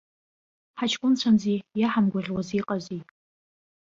Ҳаҷкәынцәамзи, иаҳамгәаӷьуаз иҟази!